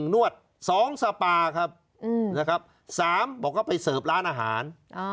นวด๒สปาครับนะครับ๓บอกว่าไปเสิร์ฟร้านอาหาร